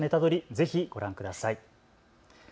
ぜひご覧ください。